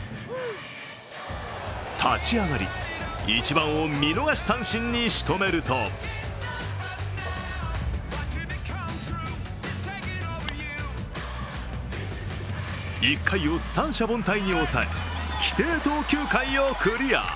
立ち上がり１番を見逃し三振にしとめると１回を三者凡退に抑え、規定投球回をクリア。